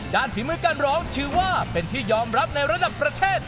ฝีมือการร้องถือว่าเป็นที่ยอมรับในระดับประเทศ